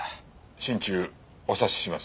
心中お察しします。